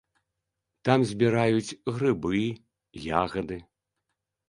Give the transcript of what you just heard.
Там збіраюць грыбы, ягады.